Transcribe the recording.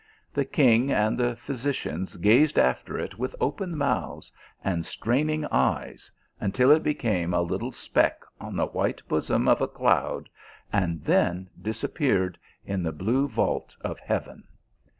The king and the physicians gazed after it with open mouths and straining eyes, until it be came a little speck on the white bonom of a cloud, and then disappeared in the blue vault of heaven.